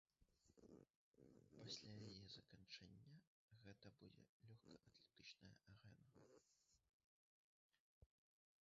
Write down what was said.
Пасля яе заканчэння гэта будзе лёгкаатлетычная арэна.